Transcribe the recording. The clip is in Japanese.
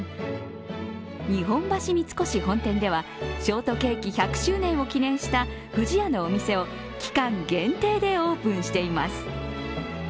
日本橋三越本店では、ショートケーキ１００周年を記念した不二家のお店を期間限定でオープンしています。